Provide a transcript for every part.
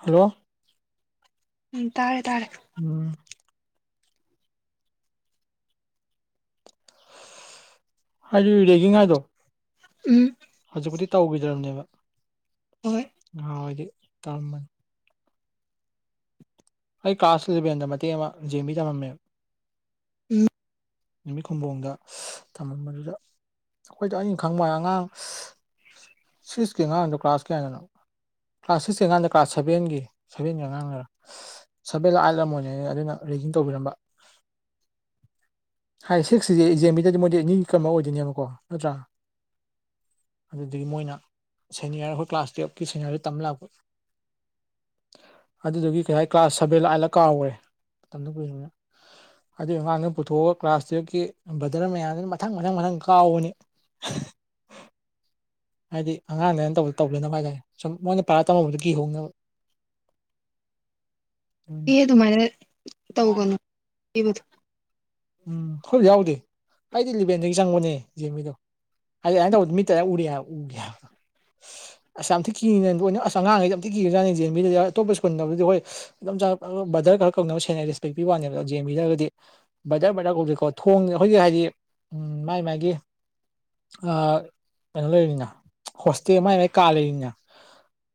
hello ꯎꯝ ꯇꯥꯔꯦ ꯇꯥꯔꯦ ꯎꯝ ꯍꯥꯏꯗꯤ ꯔꯦꯒꯤꯡ ꯍꯥꯏꯗꯣ ꯎꯝ ꯍꯧꯖꯤꯛꯄꯨꯗꯤ ꯇꯧꯒꯤꯗ꯭ꯔꯕꯅꯦꯕ ꯍꯣꯏ ꯅꯍꯥꯋꯥꯏꯗꯤ ꯇꯧꯔꯝꯕꯅꯤ ꯑꯩ ꯀ꯭ꯂꯥꯁ ꯏꯂꯕꯦꯟꯗ ꯃꯇꯦꯛ ꯑꯃ ꯖꯦꯟ ꯕꯤꯗ ꯇꯃꯃꯝꯃꯦꯕ ꯎꯝ ꯅꯨꯃꯤꯠ ꯈꯨꯝꯕꯣꯡꯗ ꯊꯃꯝꯕꯗꯨꯗ ꯑꯩꯈꯣꯏꯗ ꯑꯩꯅ ꯈꯪꯕ ꯑꯉꯥꯡ ꯁꯤꯛꯁꯀꯤ ꯑꯉꯥꯡꯗꯣ ꯀ꯭ꯂꯥꯁ ꯀꯌꯥꯒꯤꯅꯣ ꯀ꯭ꯂꯥꯁ ꯁꯤꯛꯁꯀꯤ ꯑꯉꯥꯡꯗ ꯀ꯭ꯂꯥꯁ ꯁꯚꯦꯟꯒꯤ ꯁꯚꯦꯟꯒꯤ ꯑꯉꯥꯡꯅꯔꯥ ꯁꯚꯦꯟꯂ ꯑꯥꯏꯠꯂ ꯑꯣꯏꯔꯝꯅꯤ ꯑꯗꯨꯅ ꯔꯦꯒꯤꯡ ꯇꯧꯕꯤꯔꯝꯕ ꯍꯥꯏ ꯁꯤꯛꯁꯇꯗꯤ ꯖꯦꯟ ꯕꯤꯗꯗꯤ ꯃꯣꯏꯗꯤ ꯅ꯭ꯌꯨ ꯀꯝꯃꯔ ꯑꯣꯏꯗꯣꯏꯅꯦꯕꯀꯣ ꯅꯠꯇ꯭ꯔꯥ ꯑꯗꯨꯗꯒꯤ ꯃꯣꯏꯅ ꯁꯦꯅꯤꯌꯔ ꯑꯩꯈꯣꯏ ꯀ꯭ꯂꯥꯁ ꯇꯨꯌꯦꯜꯞꯀꯤ ꯁꯦꯅꯤꯌꯔꯗ ꯇꯝ ꯂꯥꯛꯄ ꯑꯗꯨꯗꯨꯒꯤ ꯀꯩ ꯍꯥꯏ ꯀ꯭ꯂꯥꯁ ꯁꯚꯦꯜꯂ ꯑꯥꯏꯠꯂ ꯀꯥꯎꯈ꯭ꯔꯦ ꯃꯇꯝꯗꯣ ꯀꯨꯏꯔꯕꯅꯤꯅ ꯑꯗꯨ ꯑꯉꯥꯡꯗꯣ ꯄꯨꯊꯣꯛꯑꯣ ꯀ꯭ꯂꯥꯁ ꯇꯨꯌꯦꯜꯞꯀꯤ ꯕ꯭ꯔꯗꯔ ꯃꯌꯥꯝꯁꯤꯅ ꯃꯊꯪ ꯃꯊꯪ ꯃꯊꯪ ꯀꯥꯎꯕꯅꯤ ꯍꯥꯏꯗꯤ ꯑꯉꯥꯡꯗ ꯑꯗꯥꯏꯅ ꯇꯧꯕ ꯇꯧꯗꯅꯕ ꯍꯥꯏ ꯇꯥꯔꯦ ꯁꯨꯝ ꯃꯣꯏꯅ ꯄꯥꯔ ꯇꯝꯍꯧ ꯀꯤꯍꯧꯅꯕ [inaudible] ꯀꯤ ꯑꯗꯨꯅꯤꯗ ꯑꯗꯨꯃꯥꯏꯅ ꯇꯧꯒꯅꯨ ꯄꯤꯕꯗꯣ ꯎꯝ ꯍꯣꯏ ꯑꯩꯈꯣꯏꯕꯨꯗꯤ ꯌꯥꯎꯗꯦ ꯍꯥꯏꯗꯤ ꯂꯤꯚꯦꯟꯗꯒꯤ ꯆꯪꯕꯅꯦ ꯖꯦꯟ ꯕꯤꯗꯣ ꯑ ꯑꯗꯃꯥꯏ ꯇꯧꯕꯗꯣ ꯃꯤꯠꯇ ꯑꯃꯥꯏ ꯎꯔꯤ ꯎꯒꯤ ꯍꯥꯏꯕ ꯑꯁ ꯌꯥꯝ ꯊꯤ ꯀꯤꯔꯤꯅꯦ ꯑꯁ ꯑꯉꯥꯡꯈꯩꯗꯤ ꯌꯥꯝ ꯊꯤ ꯀꯤꯔꯖꯥꯠꯅꯦ ꯖꯦꯟ ꯕꯤꯗꯗꯤ ꯑꯇꯣꯞꯄ ꯁ꯭ꯀꯨꯜꯗꯕꯨꯗꯤ ꯍꯣꯏ ꯑꯗꯨꯝ ꯕꯗꯔ ꯈꯔ ꯀꯧꯅꯕ ꯁꯦꯡꯅ ꯔꯦꯁꯄꯦꯛ ꯇꯤ ꯋꯥꯡꯉꯦꯕ ꯖꯦꯟ ꯕꯤꯅꯒꯗꯤ ꯕꯗꯔ ꯕꯗꯔ ꯀꯧꯗꯦꯀꯣ ꯊꯣꯡ ꯑꯩꯈꯣꯏꯅ ꯍꯥꯏꯗꯤ ꯎꯝ ꯃꯥꯏ ꯃꯥꯒꯤ ꯑꯥ ꯀꯩꯅꯣ ꯂꯩꯔꯤꯅꯤꯅ ꯍꯣꯁꯇꯦꯜ ꯃꯥꯏ ꯃꯥꯏ ꯀꯥ ꯂꯩꯔꯤꯅꯤꯅ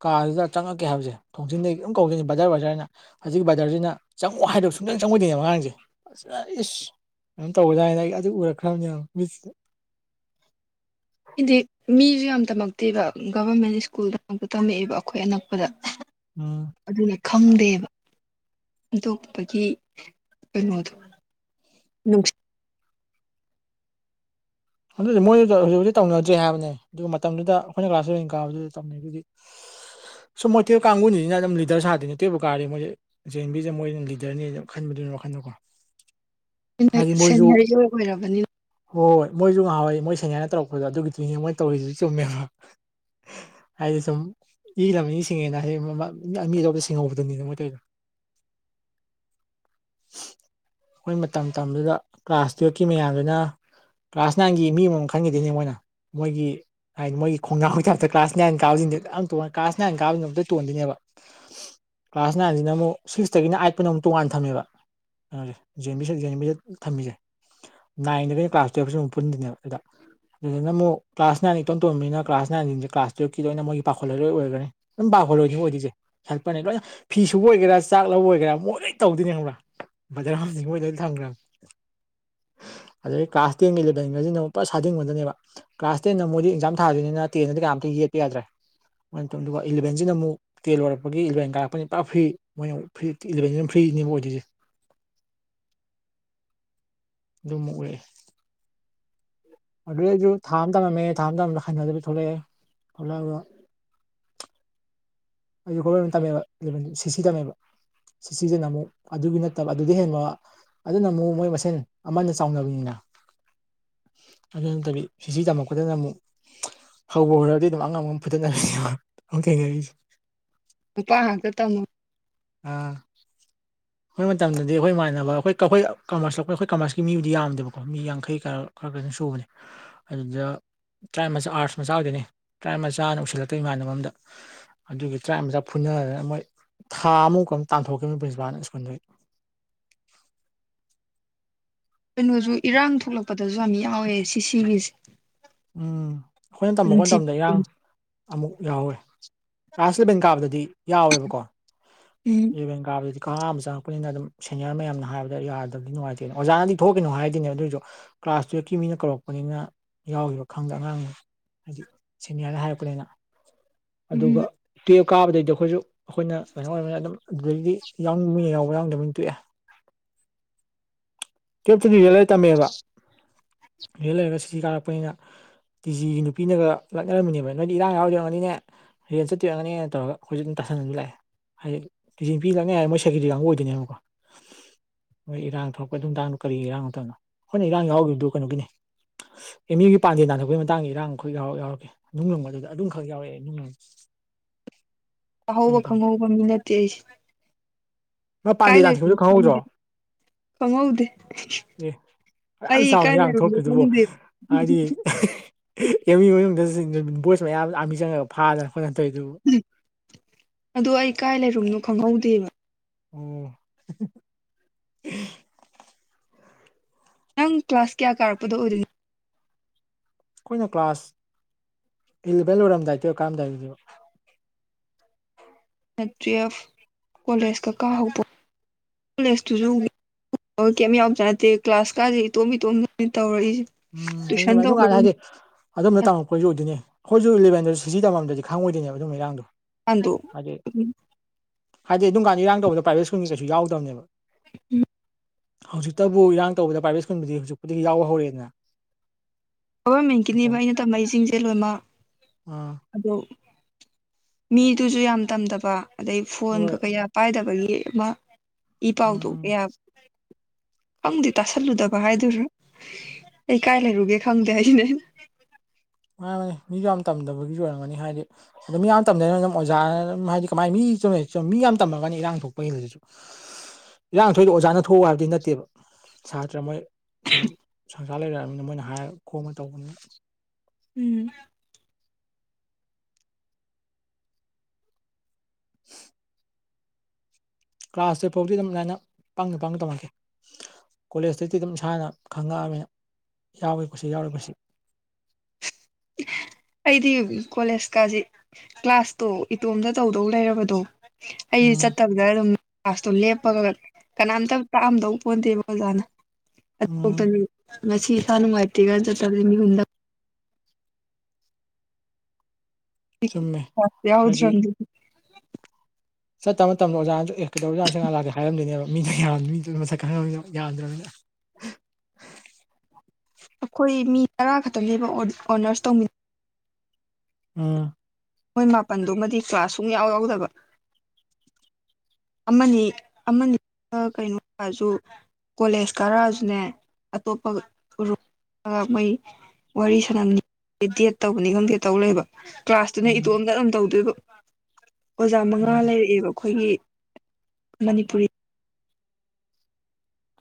ꯀꯥꯗꯨꯗ ꯆꯪꯉꯛꯀꯦ ꯍꯥꯏꯕꯖꯦ ꯊꯣꯡꯖꯤꯟꯗꯒꯤ ꯑꯗꯨꯝ ꯀꯧꯗꯨꯏꯅꯤ ꯕꯗ꯭ꯔ ꯕꯗ꯭ꯔ ꯍꯥꯏꯅ ꯍꯖꯤꯛ ꯕꯥꯗ꯭ꯔꯖꯤꯅ ꯆꯪꯉꯛꯑꯣ ꯍꯥꯏ ꯁꯨꯛꯆꯪ ꯆꯪꯉꯛꯑꯣꯏꯗꯨꯏꯅꯦ ꯑꯉꯥꯡꯖꯦ ꯑꯁ ꯑꯥ ꯏꯁ ꯀꯩꯅꯣꯝ ꯇꯧꯒ꯭ꯔꯖꯥꯠꯅꯤ ꯅꯪ ꯑꯗꯨ ꯎꯔꯒ ꯈꯪꯅꯤ ꯃꯤꯠꯁꯤꯗ ꯏꯟꯗꯤ ꯃꯤꯖꯨ ꯌꯥꯝ ꯇꯝꯃꯛꯇꯦꯕ ꯒꯚ꯭ꯔꯃꯦꯟ ꯁ꯭ꯀꯨꯜꯗ ꯉꯥꯛꯇ ꯇꯝꯃꯛꯑꯦꯕ ꯑꯈꯣꯏ ꯑꯅꯛꯄꯗ ꯎꯝ ꯑꯗꯨꯒꯤ ꯈꯪꯗꯦꯕ ꯏꯟꯗꯣꯛꯄꯒꯤ ꯀꯩꯅꯣꯗꯣ ꯅꯨꯡ ꯑꯗꯨꯗꯤ ꯃꯣꯏꯗ ꯍꯨꯖꯤꯛ ꯍꯨꯖꯤꯛ ꯇꯧꯅꯗ꯭ꯔꯦ ꯍꯥꯏꯕꯅꯦ ꯑꯗꯨꯒ ꯃꯇꯝꯗꯨꯗ ꯑꯈꯣꯏꯅ ꯀ꯭ꯂꯥꯁ ꯏꯂꯕꯦꯟ ꯀꯥꯕꯗꯨꯗ ꯇꯧꯅꯩ ꯗꯨꯗꯤ ꯁꯨꯝ ꯃꯣꯏ ꯇꯨꯌꯦꯜꯞ ꯀꯥꯡꯒꯨꯅꯤꯅ ꯑꯗꯨꯝ ꯂꯤꯗꯔ ꯁꯥꯗꯨꯏꯅꯤ ꯇꯨꯋꯦꯜꯞꯕꯨ ꯀꯥꯔꯗꯤ ꯃꯣꯏꯗꯤ ꯖꯦꯟ ꯑꯦꯟ ꯕꯤ ꯖꯦ ꯃꯣꯏꯅ ꯂꯤꯗꯔꯅꯦꯅ ꯈꯟꯕꯗꯣ ꯋꯥꯈꯜꯗꯣꯀꯣ ꯍꯥꯏꯗꯤ ꯃꯣꯏꯖꯨ ꯁꯦꯅꯤꯌꯔꯁꯨ ꯑꯣꯏꯔꯕꯅꯤꯅ ꯍꯣꯏ ꯃꯣꯏꯖꯨ ꯉꯍꯥꯟꯋꯥꯏ ꯃꯣꯏ ꯁꯦꯅꯤꯌꯔꯅ ꯇꯧꯔꯛꯄꯗꯣ ꯑꯗꯨꯒꯤꯗꯨꯅꯦ ꯃꯣꯏ ꯇꯧꯔꯤꯖꯤꯁꯨ ꯆꯨꯝꯃꯦꯕ ꯍꯥꯏꯗꯤ ꯁꯨꯝ ꯏ ꯔꯝꯃꯤ ꯁꯤꯡꯉꯦꯅ ꯍꯌꯦꯡ [unintelligible] ꯃꯤ ꯂꯧꯕꯗ ꯁꯤꯡꯍꯧꯕꯗꯨꯅꯤꯗ ꯃꯣꯏ ꯇꯧꯗꯣ [inaudible] ꯑꯈꯣꯏ ꯃꯇꯝ ꯃꯇꯝꯗꯨꯗ ꯀ꯭ꯂꯥꯁ ꯇꯨꯌꯦꯜꯐꯀꯤ ꯃꯌꯥꯝꯗꯨꯅ ꯀ꯭ꯂꯥꯁ ꯅꯥꯏꯟꯒꯤ ꯃꯤ ꯑꯃꯝꯃꯝ ꯈꯟꯒꯤꯗꯨꯏꯅꯦ ꯃꯣꯏꯅ ꯃꯣꯏꯒꯤ ꯍꯥꯏꯗꯤ ꯃꯣꯏꯒꯤ ꯈꯣꯡꯅꯥꯎꯒꯤ ꯇꯥꯏꯞꯇ ꯀ꯭ꯂꯥꯁ ꯅꯥꯏꯟ ꯀꯥꯕꯖꯤꯡꯖꯦ ꯌꯥꯝ ꯇꯣꯟ ꯀ꯭ꯂꯥꯁ ꯅꯥꯏꯟ ꯀꯥꯕ [unintelligible] ꯇꯣꯟꯗꯨꯏꯅꯦꯕ ꯀ꯭ꯂꯥꯁ ꯅꯥꯏꯟꯖꯤꯅ ꯑꯃꯨꯛ ꯁꯤꯛꯁꯇꯒꯤꯅ ꯑꯥꯏꯠꯄꯨꯅ ꯑꯃꯨꯛ ꯇꯣꯉꯥꯟꯅ ꯊꯝꯃꯦꯕ ꯑꯥ ꯖꯦꯑꯦꯟꯕꯤ ꯁꯦ ꯖꯦꯑꯦꯟꯕꯤ ꯖꯦ ꯊꯝꯃꯤꯖꯦ ꯅꯥꯏꯟꯗꯒꯗꯤ ꯀ꯭ꯂꯥꯁ ꯇꯨꯌꯦꯜꯚꯁꯨ ꯑꯃꯨꯛ ꯄꯨꯟꯗꯨꯏꯅꯦꯕ ꯁꯤꯗ ꯑꯗꯨꯗꯅ ꯑꯃꯨꯛ ꯀ꯭ꯂꯥꯁ ꯅꯥꯏꯟꯅ ꯏꯇꯣꯟ ꯇꯣꯟꯕꯅꯤꯅ ꯀ꯭ꯂꯥꯁ ꯅꯥꯏꯟꯖꯤꯡꯖꯦ ꯀ꯭ꯂꯥꯁ ꯇꯨꯌꯦꯜꯚꯀꯤ ꯂꯣꯏꯅ ꯃꯣꯏꯒꯤ ꯄꯥꯎꯈꯣꯜꯂꯣꯏ ꯂꯣꯏ ꯑꯣꯏꯒ꯭ꯔꯅꯤ [unintelligible] ꯄꯥꯈꯣꯜꯂꯣꯏꯅꯤꯉꯣ ꯑꯣꯏꯗꯨꯏꯖꯦ ꯍꯦꯜꯄꯔꯅꯦ ꯂꯣꯏꯅ ꯐꯤ ꯁꯨꯕ ꯑꯣꯏꯒꯦꯔꯥ ꯆꯥꯛ ꯂꯧꯕ ꯑꯣꯏꯒꯦꯔꯥ ꯃꯣꯏ ꯂꯣꯏ ꯇꯧꯗꯨꯏꯅꯦ ꯈꯪꯕ꯭ꯔꯥ ꯕꯗꯔ ꯑꯃꯗꯤ ꯃꯣꯏ ꯂꯣꯏ ꯊꯝꯒ꯭ꯔꯕꯅꯤ ꯑꯗꯩ ꯀ꯭ꯂꯥꯁ ꯇꯦꯟꯒ ꯏꯂꯕꯦꯟꯒꯖꯤꯅ ꯄꯨꯔꯥ ꯁꯥꯗꯤꯡ ꯑꯃꯗꯅꯦꯕ ꯀ꯭ꯂꯥꯁ ꯇꯦꯟꯗ ꯃꯣꯏꯗꯤ ꯑꯦꯛꯖꯥꯝ ꯊꯥꯗꯨꯏꯅꯤꯅ ꯇꯦꯟꯗꯗꯤ ꯀꯅꯥꯝꯇ ꯌꯦꯠꯄ ꯌꯥꯗ꯭ꯔꯦ ꯑꯗꯨꯒ ꯏꯂꯚꯦꯟꯖꯤꯅ ꯑꯃꯨꯛ ꯇꯦꯟ ꯂꯣꯏꯔꯛꯄꯒꯤ ꯏꯂꯚꯦꯟ ꯀꯥꯔꯛꯄꯅꯤ ꯄꯨꯔ ꯐ꯭ꯔꯤ ꯃꯣꯏꯅ ꯐ꯭ꯔꯤ ꯏꯂꯚꯦꯟꯖꯤꯅ ꯐ꯭ꯔꯤ ꯐ꯭ꯔꯤꯅꯦꯕ ꯑꯣꯏꯗꯨꯏꯖꯦ ꯑꯗꯨꯃ ꯎꯔꯛꯑꯦ ꯑꯗꯨꯗꯩꯖꯨ ꯊꯥ ꯑꯃ ꯇꯝꯃꯝꯃꯦ ꯊꯥ ꯑꯃ ꯇꯝꯕꯗ ꯍꯩꯅꯗꯕꯩ ꯊꯣꯛꯂꯛꯑꯦ ꯊꯣꯛꯂꯛꯑꯒ ꯑꯩꯖꯨ ꯒꯣꯚ꯭ꯔꯃꯦꯟ ꯇꯝꯃꯦꯕ ꯏꯂꯚꯦꯟ ꯗꯨ ꯁꯤꯁꯤ ꯇꯝꯃꯦꯕ ꯁꯤꯁꯤ ꯖꯤꯅ ꯑꯃꯨꯛ ꯑꯗꯨꯒꯤ ꯅꯠꯇꯕ ꯑꯗꯨꯗꯩ ꯍꯦꯟꯕ ꯑꯗꯨꯅ ꯑꯃꯨꯛ ꯃꯣꯏ ꯃꯁꯦꯟ ꯑꯃꯅ ꯆꯥꯎꯅꯕꯅꯤꯅ ꯑꯗꯨ ꯅꯠꯇꯕꯤ ꯁꯤꯁꯤ ꯇꯝꯃꯛꯄꯗꯨꯅ ꯑꯃꯨꯛ ꯍꯧꯕꯨ ꯍꯧꯔꯗꯤ ꯑꯗꯨꯝ ꯑꯉꯝ ꯑꯉꯝ ꯐꯨꯗꯠꯅꯕꯤꯅꯦꯕ ꯑꯃꯨꯛ ꯊꯦꯡꯅꯔꯤꯁꯦ ꯅꯨꯨꯄꯥ ꯉꯥꯛꯇ ꯇꯝꯃꯣ ꯑꯥ ꯑꯈꯣꯏ ꯃꯇꯝꯗꯗꯤ ꯑꯈꯣꯏ ꯏꯃꯥꯟꯅꯕ ꯑꯈꯣꯏ ꯀ ꯑꯈꯣꯢ ꯀꯃ꯭ꯔꯁ ꯂꯧꯔꯛꯄ ꯑꯈꯣꯏ ꯀꯃ꯭ꯔꯁꯀꯤ ꯃꯤꯕꯨꯗꯤ ꯌꯥꯝꯗꯦꯕꯀꯣ ꯃꯤ ꯌꯥꯡꯈꯩ ꯀꯔꯥ ꯈꯔ ꯈꯔꯗꯤ ꯁꯨꯕꯅꯦ ꯑꯗꯨꯗ ꯇ꯭ꯔꯥꯢꯕ ꯃꯆꯥ ꯑꯥꯔꯠꯁ ꯃꯆꯥ ꯑꯣꯏꯗꯨꯏꯅꯦ ꯇ꯭ꯔꯥꯢꯕ ꯃꯆꯥꯅ ꯎꯁꯤꯜꯂꯛꯇꯦ ꯏꯃꯥꯟꯅꯕ ꯑꯃꯗ ꯑꯗꯨꯒꯤ ꯇ꯭ꯔꯥꯢꯕ ꯃꯆꯥ ꯐꯨꯟ ꯐꯨꯅꯗꯅ ꯃꯣꯏ ꯊꯥ ꯑꯃꯨꯛ [unintelligible] ꯇꯥꯟꯊꯣꯛꯈꯤꯕꯅꯤ ꯄ꯭ꯔꯤꯟꯁꯤꯄꯥꯜꯅ ꯁ꯭ꯀꯨꯜꯗꯩ [inaudible] ꯀꯩꯅꯣꯖꯨ ꯏꯔꯥꯡ ꯊꯣꯛꯂꯛꯄꯗꯁꯨ ꯌꯥꯝ ꯌꯥꯎꯋꯦ ꯁꯤ ꯁꯤꯒꯤꯁꯦ ꯎꯝ ꯑꯈꯣꯏꯅ ꯎꯝ ꯇꯝꯃꯛꯄ ꯃꯇꯝꯗ ꯏꯔꯥꯡ ꯑꯃꯨꯛ ꯌꯥꯎꯋꯦ ꯀ꯭ꯂꯥꯁ ꯏꯂꯚꯦꯟ ꯀꯥꯕꯗꯗꯤ ꯌꯥꯎꯋꯦꯕꯀꯣ ꯏꯂꯚꯦꯟ ꯀꯥꯕꯗꯗꯤ ꯑꯍꯥꯟꯕ ꯆꯪꯉꯛꯄꯅꯤꯅ ꯑꯗꯨꯝ ꯁꯦꯅꯤꯌꯔ ꯃꯌꯥꯝꯅ ꯍꯥꯏꯕꯗ ꯌꯥꯗꯕꯗꯤ ꯅꯨꯡꯉꯥꯏꯇꯦꯅꯦ ꯑꯣꯖꯥꯅꯗꯤ ꯊꯣꯛꯈꯤꯅꯣ ꯍꯥꯏꯗꯨꯢꯅꯦ ꯑꯗꯨꯏꯖꯨ ꯀ꯭ꯂꯥꯁ ꯇꯨꯌꯦꯜꯚꯀꯤ ꯃꯤꯅ ꯀꯧꯔꯛꯄꯅꯤꯅ ꯌꯥꯎꯒꯤꯕ ꯈꯪꯗꯦ ꯑꯉꯥꯡ ꯍꯥꯏꯗꯤ ꯁꯦꯅꯤꯌꯔꯅ ꯍꯥꯏꯔꯛꯄꯅꯤꯅ ꯑꯗꯨꯒ ꯎꯝ ꯇꯨꯋꯦꯜꯚ ꯀꯥꯕꯗꯩꯗꯤ ꯑꯈꯣꯏꯖꯨ ꯑꯈꯣꯏꯅ ꯀꯩꯅꯣ ꯑꯣꯏꯔꯕꯅꯤꯅ ꯑꯗꯨꯝ ꯑꯗꯨꯗꯩꯗꯤ ꯌꯥꯎꯅꯤꯕ ꯃꯤ ꯌꯥꯎ ꯌꯥꯎꯅꯤꯡꯗꯕꯅ ꯇꯣꯛꯑꯦ ꯇꯨꯌꯦꯞꯇꯗꯤ ꯔꯦꯜ ꯂꯩꯔ ꯇꯝꯃꯦꯕ ꯔꯦ ꯜ ꯂꯩꯔꯒ ꯁꯤꯁꯤ ꯀꯥꯔꯛꯄꯅꯤꯅ ꯇꯤꯖꯤꯒꯤ ꯅꯨꯄꯤꯅꯒ ꯂꯛꯅꯔꯝꯃꯤꯅꯦꯕ ꯅꯣꯏꯗꯤ ꯏꯔꯥꯡ ꯌꯥꯎꯔꯣꯏꯗꯣꯏ ꯑꯣꯏꯔꯝꯒꯅꯤꯅꯦ ꯔꯦꯟ ꯆꯠꯇꯣꯏ ꯑꯣꯏꯔꯝꯒꯅꯤ ꯇꯥꯁꯟꯅꯗꯅ ꯂꯥꯛꯑꯦ ꯍꯥꯏꯗꯤ ꯇꯤꯖꯤ ꯅꯨꯄꯤ ꯂꯛꯅꯩ ꯍꯥꯏ ꯃꯣꯏ ꯁꯦꯀꯦꯇꯔꯤ ꯀꯥꯡꯒꯨ ꯑꯣꯏꯗꯣꯏꯅꯦꯕꯀꯣ ꯃꯣꯏ ꯏꯔꯥꯡ ꯊꯣꯛꯔꯛꯄ ꯑꯗꯨꯃꯇꯥꯡꯡꯗꯣ ꯀꯔꯤ ꯏꯔꯥꯡ ꯃꯇꯝꯅꯣ ꯍꯣꯏꯅ ꯏꯔꯥꯡ ꯌꯥꯎꯒꯔꯤꯗꯣ ꯀꯩꯅꯣꯒꯤꯅꯦ ꯏꯅꯦꯒꯤ ꯄꯥꯟꯗꯦꯜ ꯅꯥꯟꯊꯣꯛꯄꯒꯤ ꯃꯇꯥꯡꯗ ꯏꯔꯥꯡꯈꯛ ꯌꯥꯎꯔ ꯌꯥꯎꯔꯛꯀꯦ ꯅꯨꯡ ꯂꯪꯕꯗꯨꯟ ꯑꯗꯨꯝꯈꯛ ꯌꯥꯎꯔꯛꯑꯦ ꯅꯨꯡ [inaudible] ꯇꯥꯍꯧꯕ ꯃꯇꯝꯗ ꯈꯪꯍꯧꯕ ꯃꯤ ꯅꯠꯇꯦ ꯑꯩꯁꯦ ꯃꯥ ꯀꯥꯏ ꯄꯥꯟꯗꯦ ꯇꯥꯟꯊꯣꯛꯄꯗꯨ ꯂꯩꯔꯤꯅꯣ ꯈꯪꯍꯧꯗ꯭ꯔꯣ ꯈꯪꯗꯦ ꯈꯪꯍꯧꯗꯦ ꯑꯦ ꯌꯥꯝ ꯑꯩ ꯆꯥꯎꯅ ꯀꯥꯏ ꯏꯔꯥꯡ ꯂꯩꯔꯨꯝꯅꯣ ꯊꯣꯛꯈ꯭ꯔꯤ ꯗꯨꯕꯣ ꯈꯪꯗꯦ ꯍꯥꯏꯗꯤ ꯑꯦꯝ ꯌꯨ ꯃꯅꯨꯡꯗ ꯚꯣꯏꯁ ꯃꯌꯥꯝ ꯑꯔꯃꯤ ꯆꯪꯉꯒ ꯐꯥꯗꯅ ꯑꯈꯣꯏ ꯀꯩꯅꯣ ꯇꯧꯗꯨꯕꯨ ꯑꯗꯣ ꯑꯩ ꯀꯥꯏ ꯂꯩꯔꯨꯝꯅꯣ ꯈꯪꯍꯧꯗꯦꯕ ꯑꯣ ꯅꯪ ꯀ꯭ꯂꯥꯁ ꯀꯌꯥ ꯀꯥꯔꯛꯄꯗ ꯑꯣꯏꯗꯣꯏꯅꯣ ꯑꯈꯣꯏꯅ ꯀ꯭ꯂꯥꯁ ꯏꯂꯚꯦꯟ ꯂꯣꯏꯔꯝꯗꯥꯏ ꯇꯨꯋꯦꯕ ꯀꯥꯔꯝꯗꯥꯏꯗꯨꯅꯦꯕ ꯇꯨꯋꯜꯐ ꯀꯣꯂꯦꯖꯀ ꯀꯥ ꯍꯧꯕ ꯀꯣꯂꯦꯖꯇꯨꯁꯨ ꯀ ꯌꯥꯝ ꯆꯥꯎꯕꯖꯅꯠꯇꯦ ꯀ꯭ꯂꯥꯁ ꯀꯥꯁꯦ ꯏꯇꯣꯝ ꯏꯇꯣꯝꯗꯅ ꯇꯧꯔꯛꯏꯁꯦ ꯎꯝ ꯆꯨꯝꯦ ꯇꯨꯏꯁꯟ ꯆꯨꯝꯦ ꯇꯧꯕ ꯑꯗꯨꯀꯥꯟꯗ ꯑꯗꯨꯝ ꯍꯥꯏꯗꯤ ꯑꯗꯨꯝꯅ ꯇꯝꯃꯛꯄꯣꯏꯁꯨ ꯑꯣꯏꯗꯣꯏꯅꯦ ꯑꯈꯣꯏꯁꯨ ꯏꯂꯚꯦꯟ ꯗꯣ ꯁꯤꯁꯤ ꯇꯝꯃꯝꯗꯔꯗꯤ ꯈꯪꯉꯣꯏꯗꯣꯢꯅꯦꯕ ꯑꯗꯨꯒꯨꯝꯕ ꯏꯔꯥꯡꯗꯣ ꯑꯟꯗꯣ ꯍꯥꯏꯗꯤꯑꯗꯨꯝꯀ ꯥꯟꯗ ꯏꯔꯥꯡ ꯇꯧꯕꯗꯣ ꯄ꯭ꯔꯥꯏꯕꯦꯠ ꯁ꯭ꯀꯨꯜꯒꯤ ꯀꯩꯁꯨ ꯌꯥꯎꯗꯕꯅꯦꯕ ꯎꯝ ꯍꯧꯖꯤꯛꯇꯕꯨ ꯏꯔꯥꯡ ꯇꯧꯕꯗ ꯄ꯭ꯔꯥꯏꯕꯦꯠ ꯁ꯭ꯀꯨꯜꯕꯨꯗꯤ ꯍꯧꯖꯤꯛꯄꯨꯗꯤ ꯌꯥꯎꯕ ꯍꯧꯔꯦꯗꯅ ꯒꯣꯚꯔꯃꯦꯟꯒꯤꯅꯦꯕ ꯑꯩꯅ ꯇꯝꯃꯝꯏ ꯁꯤꯡꯖꯦ ꯂꯣꯢꯃꯛ ꯑꯥ ꯑꯗꯣ ꯃꯤꯗꯨꯁꯨ ꯌꯥꯝ ꯇꯝꯗꯕ ꯑꯗꯩ ꯐꯣꯟꯒ ꯍꯣꯏ ꯀꯌꯥ ꯄꯥꯏꯗꯕꯒꯤ ꯑꯃ ꯏ ꯎꯝ ꯄꯥꯎꯗꯣ ꯎꯝ ꯀꯌꯥ ꯈꯪꯗꯦ ꯇꯥꯁꯜꯂꯨꯗꯕ ꯍꯥꯏꯗꯣꯢꯔ ꯑꯩ ꯀꯥꯏ ꯂꯩ ꯔꯨꯒꯦ ꯈꯪꯗꯦ ꯍꯥꯏꯁꯤꯅꯤ ꯑꯩꯅ ꯃꯥꯅꯤ ꯃꯥꯅꯤ ꯃꯤꯁꯨ ꯌꯥꯝ ꯇꯝꯗꯕꯒꯤꯁꯨ ꯑꯣꯏꯔꯝꯒꯅꯤ ꯍꯥꯏꯗꯤ ꯑꯗꯣ ꯃꯤ ꯌꯥꯝ ꯇꯝꯗꯅ ꯑꯗꯨꯝ ꯑꯣꯖꯥꯅ ꯑꯗꯨꯝ ꯍꯥꯏꯗꯤ ꯀꯃꯥꯏꯅ ꯃꯤ ꯆꯨꯝꯅꯩ ꯃꯤ ꯌꯥꯝ ꯇꯝꯃꯒꯅꯤ ꯏꯔꯥꯡ ꯊꯣꯛꯄ ꯍꯦꯜꯂꯤꯗꯨꯁꯨ ꯏꯔꯥꯡ ꯊꯣꯛꯏꯗꯣ ꯑꯣꯖꯥꯅ ꯊꯣꯛꯎ ꯍꯥꯏꯕꯗꯤ ꯅꯠꯇꯦꯕ ꯁꯥꯇ꯭ꯔ ꯃꯣꯏ ꯁꯨꯝ ꯁꯪꯁꯥꯔ ꯂꯩꯔꯛꯑꯕꯅꯤꯅ ꯃꯣꯏꯅ ꯍꯥꯏꯔ ꯈꯣꯡꯃ ꯇꯧꯕꯅꯤ ꯎꯝ [inaudible] ꯀ꯭ꯂꯥꯁ ꯇꯨꯌꯦꯞ ꯐꯥꯎꯗꯤ ꯑꯗꯨꯝ ꯑꯗꯥꯏꯅ ꯄꯥꯡꯅ ꯄꯥꯡꯅ ꯇꯝꯃꯛꯀꯦ ꯀꯣꯂꯦꯖꯇꯩꯗꯤ ꯑꯗꯨꯝ ꯏꯁꯥꯅ ꯈꯪꯉꯛꯑꯕꯅꯤꯅ ꯌꯥꯎꯒꯦ ꯀꯨꯁꯤ ꯌꯥꯎꯔꯣꯏ ꯀꯨꯁꯤ [inaudible] ꯑꯩꯗꯤ ꯀꯣꯂꯦꯖꯀꯥꯁꯦ ꯀ꯭ꯂꯥꯁꯇꯣ ꯏꯇꯣꯝꯇ ꯇꯧꯗꯧ ꯂꯩꯔꯕꯗꯣ ꯑꯩ ꯎꯝ ꯆꯠꯇꯕꯗ ꯑꯗꯨꯝ ꯀꯥꯂꯁꯇꯣ ꯂꯦꯞꯄꯒ ꯀꯅꯥꯝꯇ ꯇꯥꯛꯑꯝꯗꯧ ꯎꯝ [unintelligible] ꯉꯁꯤ ꯏꯁꯥ ꯅꯨꯡꯉꯥꯏꯇꯦ ꯀ ꯆꯠꯇꯕꯁꯦ ꯃꯤꯍꯨꯟ ꯗꯪ ꯆꯨꯝꯃꯦ [unintelligible] ꯆꯠꯇ ꯃꯇꯝꯗ ꯑꯣꯖꯥꯁꯨ ꯑꯦ ꯀꯩꯗꯧꯔꯖꯅꯣ ꯁꯤ ꯉꯥꯛ ꯂꯥꯛꯇꯦ ꯍꯥꯏꯔꯝꯗꯣꯏꯅꯦꯕ ꯃꯤꯅ ꯃꯤꯗꯨ ꯃꯁꯛ ꯈꯪꯉꯝꯅꯤꯅ ꯌꯥꯝꯗ꯭ꯔꯕꯅꯤꯅ [inaudible] ꯑꯩꯈꯣꯏ ꯃꯤ ꯇꯔꯥ ꯈꯛꯇꯪ ꯅꯦꯕ ꯑꯣꯅꯔꯁ ꯇꯧꯃꯤꯟ ꯑ ꯃꯣꯏ ꯃꯥꯄꯜꯗꯨꯃꯗꯤ ꯀ꯭ꯂꯥꯁ ꯁꯨꯨꯡ ꯌꯥꯎ ꯌꯥꯎꯗꯕ [unintelligible] ꯀꯣꯂꯦꯖ ꯀꯥꯔꯛꯑꯖꯨꯅꯦ ꯑꯇꯣꯞꯄꯒ ꯎꯔꯨ ꯃꯣꯏ ꯋꯥꯔꯤ ꯁꯅꯝꯅꯤ ꯈꯪꯗꯦ ꯗꯦꯠ ꯇꯧꯕꯅꯤ ꯈꯪꯗꯦ ꯇꯧ ꯂꯩꯕ ꯀ꯭ꯂꯥꯁꯇꯨꯅ ꯎꯝ ꯏꯇꯣꯝꯗ ꯑꯗꯨꯝ ꯇꯧꯗꯣꯏꯕ ꯑꯣꯖꯥ ꯃꯉꯥ ꯃꯥꯅꯤ ꯂꯩꯔꯛꯑꯦꯕ ꯈꯣꯏꯒꯤ ꯃꯅꯤꯄꯨꯔꯤ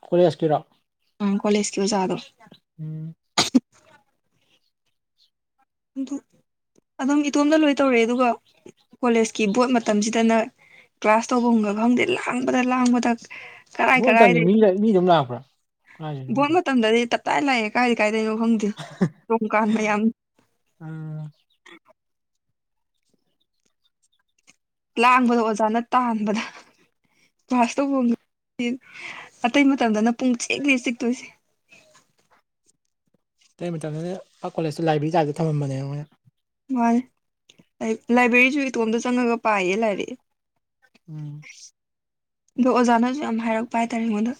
ꯀꯣꯂꯦꯖꯀꯤꯔꯣ ꯎꯝ ꯀꯣꯂꯦꯖꯀꯤ ꯑꯣꯖꯥꯗꯣ ꯎꯝ ꯗꯨ ꯑꯗꯨꯝ ꯏꯇꯣꯝꯗ ꯂꯣꯏ ꯇꯧꯔꯛꯑꯦ ꯑꯗꯨꯒ ꯀꯣꯂꯦꯖꯀꯤ ꯕꯣꯠ ꯃꯇꯝꯖꯤꯗꯅ ꯀ꯭ꯂꯥꯁ ꯇꯧꯕꯝꯒ ꯈꯪꯗꯦ ꯂꯥꯡꯕꯗ ꯂꯥꯡꯕꯗ ꯀꯔꯥꯏ ꯑꯗꯨ ꯃꯇꯝꯗꯤ ꯃꯤ ꯀꯔꯥꯏꯗꯩꯅꯣ ꯃꯤ ꯑꯗꯨꯝ ꯂꯥꯛꯄ꯭ꯔꯥ ꯀꯥꯏꯗꯩꯅꯣ ꯕꯣꯠ ꯈꯪꯗꯦ ꯃꯇꯝꯗꯗꯤ ꯇꯠ ꯇꯥꯏ ꯂꯥꯛꯑꯦ ꯀꯥꯏ ꯀꯥꯏꯗꯩꯅꯣ ꯈꯪꯗꯦ ꯌꯣꯡ ꯀꯥꯟ ꯃꯌꯥꯝ ꯑꯝ ꯂꯥꯡꯕꯗ ꯑꯣꯖꯥꯅ ꯇꯥꯟꯕꯗ ꯀ꯭ꯂꯥꯁ ꯇꯧꯕꯝꯒ ꯈꯪꯗꯦ ꯑꯇꯩ ꯃꯇꯝꯗꯅ ꯄꯨꯡ ꯆꯤꯛꯅꯤ ꯆꯤꯛꯇꯣꯏꯖꯤ [inaudible] ꯇꯩ ꯃꯇꯝꯗꯗꯤ ꯏꯐꯥꯜ ꯀꯣꯂꯦꯖꯇꯨ ꯂꯥꯏꯕ꯭ꯔꯤ ꯇꯥꯏꯞꯇ ꯊꯝꯃꯝꯕꯅꯦꯕ ꯃꯣꯏꯅ ꯃꯥꯅꯤ ꯂꯥꯏꯟꯂꯥꯏꯕ꯭ꯔꯤꯖꯨ ꯏꯇꯣꯝꯗ ꯆꯪꯉꯒ ꯄꯥꯏꯌꯦ ꯂꯥꯏꯔꯤꯛ ꯎꯝ ꯑꯗꯣ ꯑꯣꯖꯥꯅꯖꯨ ꯌꯥꯝ ꯍꯥꯏꯔꯛꯄ ꯍꯥꯏꯇꯔꯦ ꯑꯩꯉꯣꯟꯗ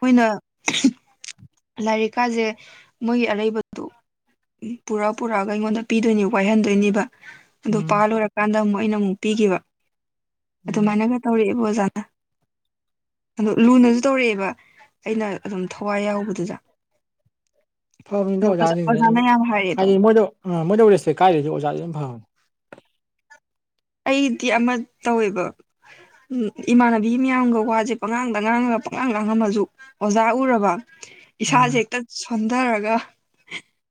ꯃꯣꯏꯅ ꯂꯥꯏꯔꯤꯛꯀꯥꯖꯦ ꯃꯣꯏꯒꯤ ꯑꯔꯩꯕꯗꯣ ꯄꯨꯔꯛ ꯄꯨꯔꯛꯑꯒ ꯑꯩꯉꯣꯟꯗ ꯄꯤꯗꯣꯏꯅꯤ ꯋꯥꯏꯍꯟꯗꯣꯏꯅꯤꯕ ꯑꯗꯣ ꯎꯝ ꯄꯥ ꯂꯣꯏꯔꯀꯥꯟꯗ ꯃ ꯑꯩꯅ ꯑꯃꯨꯛ ꯄꯤꯒꯤꯕ ꯎꯝ ꯑꯗꯨꯃꯥꯏꯅꯒ ꯇꯧꯔꯛꯑꯦꯕ ꯑꯣꯖꯥ [inaudible] ꯑꯗꯣ ꯂꯨꯅꯖꯨ ꯇꯧꯔꯛꯑꯦꯕ ꯑꯩꯅ ꯑꯗꯨꯝ ꯊꯋꯥꯏ ꯌꯥꯎꯕꯗꯨꯗ ꯐꯕꯅꯤꯗ ꯑꯗꯣ ꯑꯣꯖꯥꯖꯤꯡꯖꯦ ꯑꯗꯨꯝ ꯑꯣꯖꯥꯅ ꯌꯥꯝ ꯍꯥꯏꯔꯛꯑꯦꯕ ꯍꯥꯏꯗꯤ ꯃꯣꯏꯗ ꯑꯥ ꯃꯣꯏꯗ ꯔꯦꯁꯄꯦꯛ ꯀꯥꯏꯗꯗꯤ ꯑꯣꯖꯥꯗꯤ ꯑꯗꯨꯝ ꯐꯕꯅꯤ ꯑꯩꯗꯤ ꯑꯃ ꯇꯧꯋꯦꯕ ꯏꯃꯥꯟꯅꯕꯤ ꯃꯌꯥꯝꯒ ꯋꯥꯖꯦ ꯄꯉꯥꯡꯗ ꯉꯥꯡꯉꯥꯒ ꯄꯪꯂꯥꯡ ꯂꯥꯡꯉꯝꯃꯖꯨ ꯑꯣꯖꯥ ꯎꯔꯕ ꯎꯝ ꯏꯁꯥꯖꯦ ꯍꯦꯛꯇ ꯁꯣꯟꯗꯔꯒ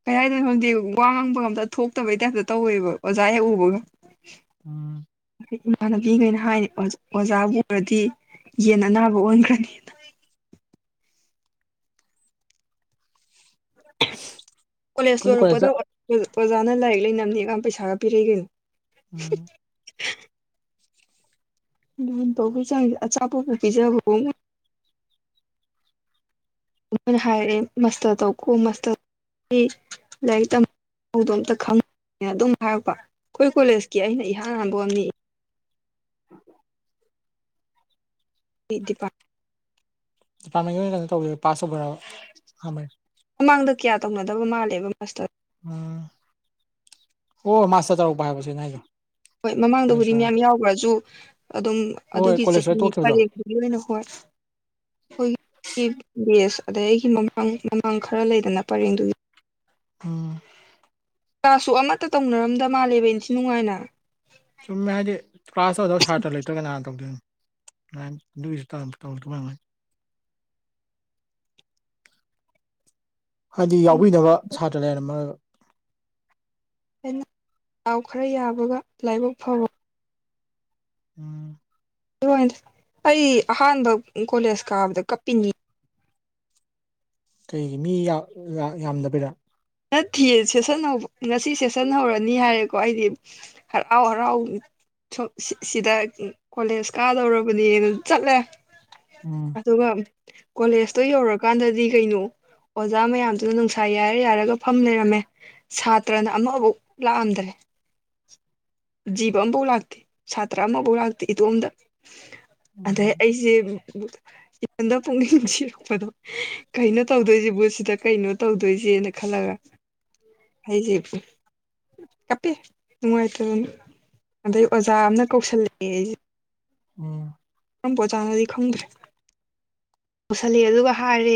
ꯀꯩ ꯍꯥꯏꯗꯣꯏꯅꯣ ꯋꯥ ꯉꯥꯡꯕꯒ ꯑꯝꯇ ꯊꯣꯛꯇꯕꯩ ꯇꯥꯏꯞꯇ ꯇꯧꯋꯦꯕ ꯑꯣꯖꯥ ꯍꯦꯛ ꯎꯕꯒ ꯎꯝ ꯏꯃꯥꯟꯅꯕꯤꯒꯩꯅ ꯍꯥꯏꯅꯦ ꯑꯣꯖꯥ ꯑꯣꯖꯥꯕꯨ ꯎꯔꯗꯤ ꯌꯦꯟ ꯑꯅꯥꯕ ꯑꯣꯟꯒ꯭ꯔꯅꯦꯅ ꯀꯣꯂꯦꯖ ꯑꯩꯈꯣꯏꯁꯨ ꯀꯣꯂꯦꯖꯇ ꯂꯣꯏꯔꯛꯄꯗ ꯑꯣꯖꯥꯅ ꯂꯥꯏꯔꯤꯛ ꯂꯩꯅꯝꯅꯤꯒ ꯄꯩꯁꯥꯒ ꯄꯤꯔꯛꯏ ꯀꯩꯅꯣ ꯎꯝ ꯂꯨꯅ ꯇꯧꯕꯩ ꯆꯥꯡꯖꯦ ꯑꯆꯥꯄꯣꯠꯄꯨ ꯄꯤꯖꯕꯑꯣꯛ ꯃꯣꯏ [inaudible] ꯃꯣꯏꯅ ꯍꯥꯏꯔꯛꯑꯦ ꯃꯁꯇꯔ ꯇꯧꯀꯣ ꯃꯁꯇꯔ ꯑꯩ ꯂꯥꯏꯔꯤꯛ ꯇꯝ ꯍꯧꯗꯣ ꯑꯝꯇ ꯈꯪ ꯑꯗꯨꯝ ꯍꯥꯏꯔꯛꯄ ꯈꯣꯏ ꯀꯣꯂꯦꯖꯀꯤ ꯑꯩꯅ ꯏꯍꯥꯟ ꯍꯥꯟꯕ ꯑꯣꯏꯔꯝꯅꯤ [unintelligible] ꯗꯤꯄꯥꯔꯠꯃꯦꯟꯒꯤ ꯀꯩꯅꯣ ꯇꯧꯕꯩꯔ ꯄꯥꯁ ꯇꯧꯕꯩꯔꯕ ꯑꯍꯥꯟꯕꯩ ꯃꯃꯥꯡꯗ ꯀꯌꯥ ꯇꯧꯅꯗꯕ ꯃꯜꯂꯦꯕ ꯃꯁꯇꯔ ꯎꯝ ꯑꯣ ꯃꯁꯇꯔ ꯇꯧꯔꯛꯄ ꯍꯥꯏꯕ ꯆꯦꯅ ꯍꯥꯏꯖꯦ ꯍꯣꯏ ꯃꯃꯥꯡꯗꯕꯨꯗꯤ ꯃꯌꯥꯝ ꯌꯥꯎꯒ꯭ꯔꯖꯨ ꯑꯗꯨꯝ ꯍꯣꯏ ꯑꯗꯨꯒꯤ ꯀꯣꯂꯦꯖ ꯂꯣꯏꯔ ꯆꯍꯤ ꯇꯣꯛꯈꯤꯕꯗꯣ ꯄꯔꯦꯡꯗꯨꯒꯤ ꯑꯣꯏꯅ ꯍꯣꯏ ꯈꯣꯏꯒꯤ ꯕꯦꯁ ꯑꯗꯩ ꯑꯩꯒꯤ ꯃꯃꯥꯡ ꯃꯃꯥꯡ ꯈꯔ ꯂꯩꯗꯅ ꯄꯔꯦꯡꯗꯨꯒꯤ ꯎꯝ ꯀ꯭ꯂꯥꯁꯁꯨ ꯑꯃꯠꯇ ꯇꯧꯅꯔꯝꯗ ꯃꯥꯜꯂꯦꯕ ꯏꯟꯊꯤ ꯅꯨꯡꯉꯥꯏꯅ ꯆꯨꯝꯃꯦ ꯍꯥꯢꯗꯤ ꯀ꯭ꯂꯥꯁ ꯇꯧꯗꯧ ꯁꯥꯇ꯭ꯔ ꯂꯩꯇ꯭ꯔ ꯀꯅꯥꯅ ꯇꯧꯗꯣꯢꯅꯦ ꯑꯗꯥꯢꯅ ꯑꯗꯨꯒꯤꯁꯨ ꯇꯥꯟꯗ ꯇꯧꯔꯛꯇꯣꯏ ꯑꯣꯢꯔꯝꯅꯤ ꯍꯥꯏꯗꯤ ꯌꯥꯎꯕꯤꯅꯕ ꯁꯥꯇ꯭ꯔ ꯂꯩꯔꯝꯃꯔꯣꯢꯕ ꯑꯩꯅ ꯗꯥꯎ ꯈꯔ ꯌꯥꯕꯒ ꯂꯥꯏꯕꯛ ꯐꯕ ꯎꯝ ꯑꯩ ꯑꯍꯥꯟꯕ ꯀꯣꯂꯦꯖ ꯀꯥꯕꯗ ꯀꯞꯄꯤꯅꯤ ꯀꯩꯒꯤ ꯃꯤ ꯌꯥꯝ ꯌꯥꯝꯗꯕꯩꯔꯥ ꯅꯠꯇꯦ ꯁꯦꯁꯟ ꯍꯧꯕ ꯉꯁꯤ ꯁꯦꯁꯟ ꯍꯧꯔꯅꯤ ꯍꯥꯏꯔꯦꯀꯣ ꯑꯩꯗꯤ ꯍꯔꯥꯎ ꯍꯔꯥꯎ ꯁꯨꯝ ꯁꯤꯗ ꯀꯣꯂꯦꯖ ꯀꯥꯗꯧꯔꯕꯅꯦꯅ ꯆꯠꯂꯦ ꯎꯝ ꯑꯗꯨꯒ ꯀꯣꯂꯦꯖꯇꯣ ꯌꯧꯔꯀꯥꯟꯗꯗꯤ ꯀꯩꯅꯣ ꯑꯣꯖꯥ ꯃꯌꯥꯝꯗꯨꯅ ꯅꯨꯡꯁꯥ ꯌꯥꯏꯔ ꯌꯥꯏꯔꯒ ꯐꯝ ꯂꯩꯔꯝꯃꯦ ꯁꯥꯇ꯭ꯔꯅ ꯑꯃꯐꯥꯎ ꯂꯥꯛꯑꯝꯗ꯭ꯔꯦ ꯖꯤꯕ ꯑꯃꯐꯥꯎ ꯂꯥꯛꯇꯦ ꯁꯥꯇ꯭ꯔ ꯑꯃꯐꯥꯎ ꯂꯥꯛꯇꯦ ꯏꯇꯣꯝꯇ ꯑꯗꯩ ꯑꯩꯁꯦ ꯏꯊꯟꯇ ꯄꯨꯛꯅꯤꯡ ꯅꯨꯡꯁꯤꯔꯛꯄꯗꯣ ꯀꯩꯅꯣ ꯇꯧꯗꯣꯏꯁꯤ ꯁꯤꯗ ꯀꯩꯅꯣ ꯇꯧꯗꯣꯏꯁꯤꯕꯣ ꯖꯦꯜꯅꯦ ꯈꯜꯂꯒ ꯑꯩꯁꯦ ꯀꯞꯄꯦ ꯅꯨꯡꯉꯥꯏꯇꯗꯅ ꯑꯗꯩ ꯑꯣꯖꯥ ꯑꯃꯅ ꯀꯧꯁꯜꯂꯛꯑꯦ ꯑꯩꯁꯦ ꯎꯝ ꯀꯔꯝꯕ ꯑꯣꯖꯥꯅꯣꯗꯤ ꯈꯪꯗ꯭ꯔꯦ ꯀꯧꯁꯜꯂꯦ ꯑꯗꯨꯒ ꯍꯥꯏꯔꯦ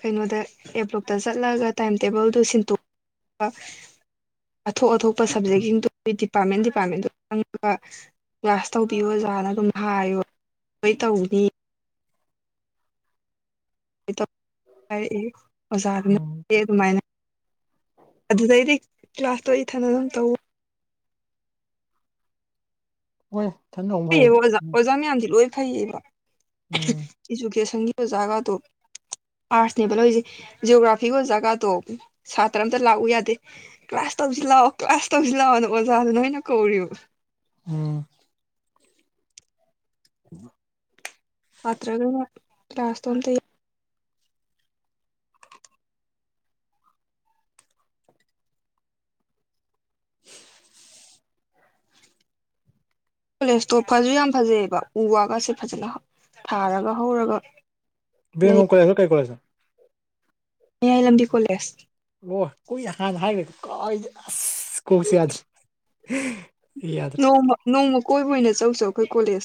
ꯀꯩꯅꯣꯗ ꯑꯦ ꯕ꯭ꯂꯣꯛꯇ ꯆꯠꯂꯒ ꯇꯥꯏꯝ ꯇꯦꯕꯜꯗꯨ ꯁꯤꯟꯇꯣꯛ ꯑꯁ ꯑꯊꯣꯛ ꯑꯊꯣꯛꯄ ꯁꯕꯖꯦꯛꯁꯤꯡꯗꯨ ꯗꯤꯄꯥꯔꯠꯃꯦꯟ ꯗꯤꯄꯥꯔꯠꯃꯦꯟꯗꯨ ꯆꯡꯉꯒ ꯀ꯭ꯂꯥꯁ ꯇꯧꯕꯤꯌꯣ ꯑꯣꯖꯥ ꯑꯗꯨꯃꯥꯏꯅ ꯑꯗꯨꯝ ꯍꯥꯏꯌꯣ ꯂꯣꯏ ꯇꯧꯅꯤ ꯑꯗꯨꯃꯥꯏ ꯇꯧꯅꯤ ꯍꯥꯏꯔꯛꯑꯦ ꯑꯣꯖꯥꯗꯨꯅ ꯎꯝ ꯑꯗꯨꯃꯥꯏꯅ ꯑꯗꯨꯗꯩꯗꯤ ꯀ꯭ꯂꯥꯁꯇꯣ ꯏꯊꯟꯗ ꯑꯗꯨꯝ ꯇꯧꯔꯦ [inaudible] ꯐꯩꯌꯦꯕ ꯐꯔꯦꯗ ꯑꯣꯖꯥ ꯃꯌꯥꯝꯗꯤ ꯂꯣꯏ ꯐꯩꯌꯦꯕ ꯎꯝ ꯏꯖꯨꯀꯦꯁꯟꯒꯤ ꯑꯣꯖꯒꯗꯣ ꯑꯥꯔꯠꯁꯅꯦꯕ ꯂꯧꯔꯤꯁꯦ ꯖꯤꯑꯣꯒ꯭ꯔꯥꯐꯤꯒꯤ ꯑꯣꯖꯒꯗꯣ ꯁꯥꯇ꯭ꯔ ꯑꯝꯇ ꯂꯥꯛꯎ ꯌꯥꯗꯦ ꯀ꯭ꯂꯥꯁ ꯥ ꯇꯧꯁꯤ ꯂꯥꯛꯑꯣ ꯀ꯭ꯂꯥꯁ ꯇꯧꯁꯤ ꯂꯥꯛꯑꯣꯅ ꯑꯣꯖꯥꯗꯨꯅ ꯑꯣꯏꯅ ꯀꯧꯔꯤꯕ ꯎꯝ [inaudible] ꯁꯇ꯭ꯔꯒꯩꯅ ꯀ꯭ꯂꯥꯁꯇꯣ ꯑꯝꯇ ꯌꯥꯎꯗꯦ [inaudible] ꯀꯣꯂꯦꯖꯇꯣ ꯐꯁꯨ ꯌꯥꯝ ꯐꯖꯩꯑꯦꯕ ꯎ ꯋꯥꯒꯁꯦ ꯐꯖꯅ ꯊꯥꯔꯒ ꯍꯧꯔꯒ ꯂꯩ ꯕꯤꯔꯝꯃꯒꯣꯜ ꯀꯣꯂꯦꯖꯔꯣ ꯀꯩ ꯀꯣꯂꯦꯖꯅꯣ ꯃꯌꯥꯏ ꯂꯝꯕꯤ ꯀꯣꯂꯦꯖ ꯑꯣ ꯀꯨꯏ ꯍꯥꯟꯅ ꯍꯥꯏꯈ꯭ꯔꯦ ꯀꯥꯎꯏꯁꯦ ꯑꯁ ꯀꯣꯛꯁꯦ ꯌꯥꯗ꯭ꯔꯦ ꯌꯥꯗ꯭ꯔꯦ ꯅꯣꯡꯃ ꯅꯣꯡꯃ ꯀꯣꯏꯕ ꯑꯣꯏꯅ ꯆꯠꯂꯨꯆꯣ ꯑꯩꯈꯣꯏ ꯀꯣꯂꯦꯖ